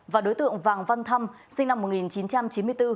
và đối tượng vàng văn thăm sinh năm một nghìn chín trăm chín mươi bốn